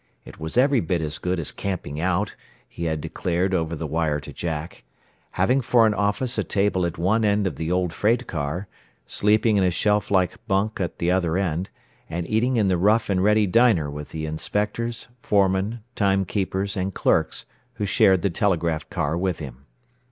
It was every bit as good as camping out, he had declared over the wire to Jack having for an office a table at one end of the old freight car, sleeping in a shelf like bunk at the other end, and eating in the rough and ready diner with the inspectors, foremen, time keepers and clerks who shared the telegraph car with him.